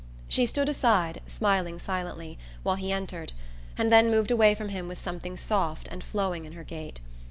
She stood aside, smiling silently, while he entered, and then moved away from him with something soft and flowing in her gait.